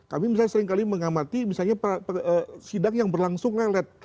kami seringkali mengamati sidang yang berlangsung melet